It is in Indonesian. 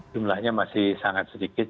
jumlahnya masih sangat sedikit